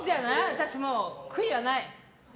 私、もう悔いはない。